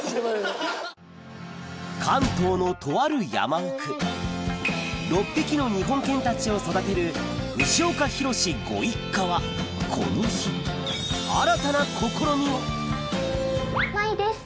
関東のとある山奥６匹の日本犬たちを育てる藤岡弘、ご一家はこの日舞衣です。